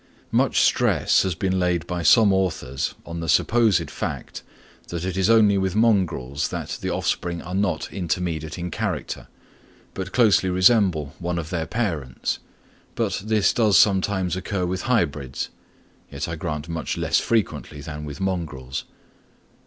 Much stress has been laid by some authors on the supposed fact, that it is only with mongrels that the offspring are not intermediate in character, but closely resemble one of their parents; but this does sometimes occur with hybrids, yet I grant much less frequently than with mongrels.